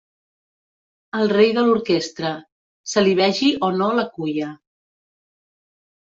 El rei de l'orquestra, se li vegi o no la cuya.